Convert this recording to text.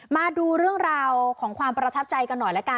มาดูเรื่องราวของความประทับใจกันหน่อยละกัน